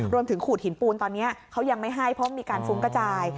ขูดหินปูนตอนนี้เขายังไม่ให้เพราะมีการฟุ้งกระจาย